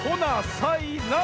さいなら！